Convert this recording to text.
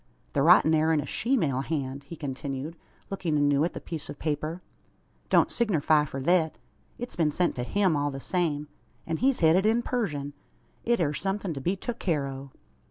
"The writin' air in a sheemale hand," he continued, looking anew at the piece of paper. "Don't signerfy for thet. It's been sent to him all the same; an he's hed it in purzeshun. It air somethin' to be tuk care o'."